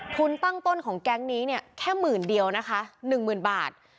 ทุนตั้งต้นของแก๊งนี้เนี่ยแค่หมื่นเดียวนะคะ๑๐๐๐บาท